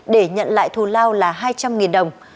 để nhận lại thù lao là hai trăm linh đồng